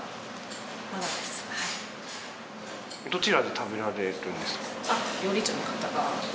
どちらで食べられるんですか？